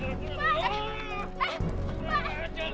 eh apa aja